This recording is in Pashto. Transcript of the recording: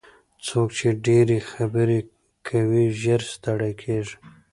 څوک چې ډېرې خبرې کوي ژر ستړي کېږي.